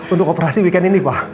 untuk operasi weekend ini pak